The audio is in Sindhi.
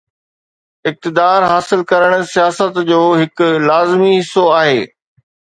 اقتدار حاصل ڪرڻ سياست جو هڪ لازمي حصو آهي.